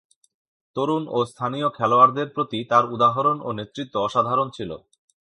তরুণ ও স্থানীয় খেলোয়াড়দের প্রতি তাঁর উদাহরণ ও নেতৃত্ব অসাধারণ ছিল।